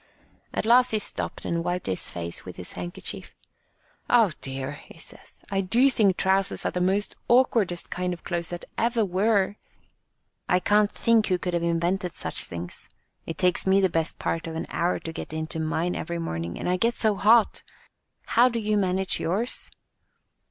At last he stopped and wiped his face with his handkerchief. 0h, dear," he says, I do think trousers are the most awkwardest kind of clothes that ever were. I can't think who could have invented such things. It takes me the best part of an hour to get into mine every morning, and I get so hot! How do you manage yours?'